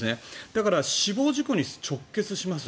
だから死亡事故に直結します。